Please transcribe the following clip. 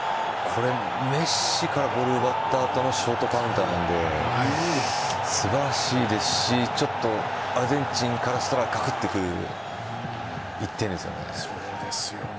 メッシからボールを奪った後のショートカウンターなので素晴らしいですしちょっとアルゼンチンからしたらガクっとくる１点ですよね。